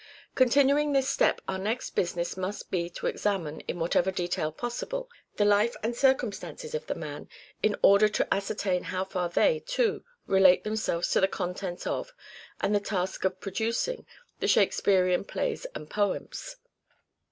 Continuing this step our next business must be to examine, in whatever detail possible, the life and circumstances of the man in order to ascertain how far they, too, relate themselves to the contents of, and the task of producing, the Shakespearean plays and poems.